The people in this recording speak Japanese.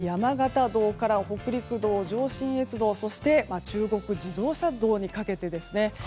山形道から北陸道、上信越道そして中国自動車道にかけてですね。